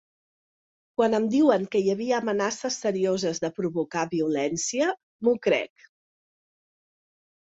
Quan em diuen que hi havia amenaces serioses de provocar violència, m’ho crec.